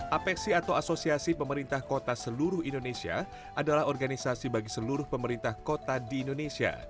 apexi atau asosiasi pemerintah kota seluruh indonesia adalah organisasi bagi seluruh pemerintah kota di indonesia